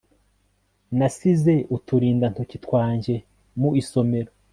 nasize uturindantoki twanjye mu isomero